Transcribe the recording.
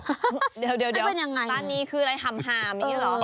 เดี๋ยวตานีคืออะไรห่ำอย่างนี้เหรอ